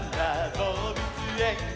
どうぶつえん」